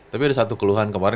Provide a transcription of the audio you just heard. tapi ada satu keluhan kemarin